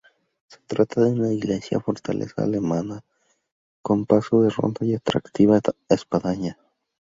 Se trata de una iglesia-fortaleza almenada, con paso de ronda y atractiva espadaña.